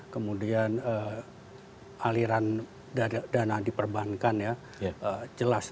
kemudian aliran dana diperbankan ya jelas